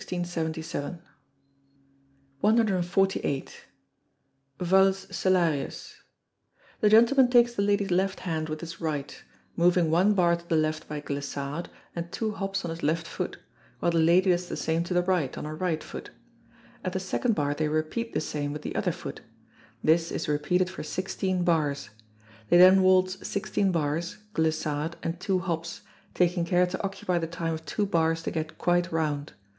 ] 148. Valse Cellarius. The gentleman takes the lady's left hand with his right, moving one bar to the left by glissade, and two hops on his left foot, while the lady does the same to the right, on her right foot; at the second bar they repeat the same with the other foot this is repeated for sixteen bars; they then waltz sixteen bars, glissade and two hops, taking care to occupy the time of two bars to get quite round.